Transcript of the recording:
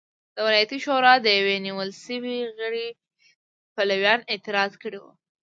د ولایتي شورا د یوه نیول شوي غړي پلویانو اعتراض کړی و.